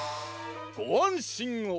ごあんしんを！